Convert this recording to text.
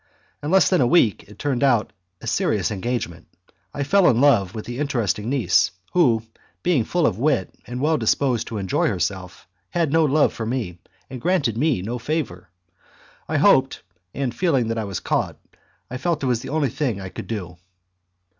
In less than a week it turned out a serious engagement. I fell in love with the interesting niece, who, being full of wit and well disposed to enjoy herself, had no love for me, and granted me no favour. I hoped, and, feeling that I was caught, I felt it was the only thing I could do.